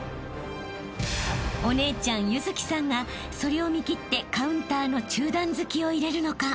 ［お姉ちゃん優月さんがそれを見切ってカウンターの中段突きを入れるのか］